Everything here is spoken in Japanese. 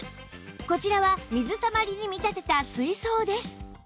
こちらは水たまりに見立てた水槽です